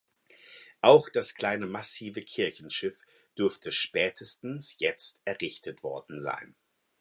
Auch das kleine massive Kirchenschiff dürfte spätestens jetzt errichtet worden sein.